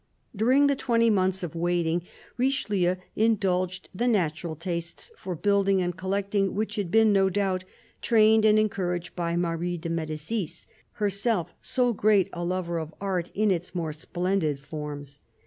During the twenty months of waiting, Richelieu indulged the natural tastes for building and collecting which had been, no doubt, trained and encouraged by Marie de Medicis, herself so great a lover of art in its more splendid forms.